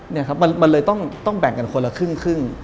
เนี่ยครับมันเลยต้องแบ่งกันคนละครึ่ง